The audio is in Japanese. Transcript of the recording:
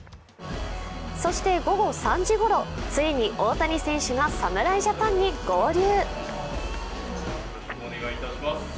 そして午後３時ごろ、ついに大谷選手が侍ジャパンに合流。